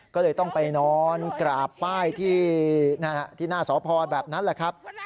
ก็เลยต้องไปนอนกราบป้ายที่หน้าสพแบบนั้นแหละครับ